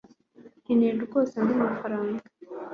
nkeneye rwose andi mafaranga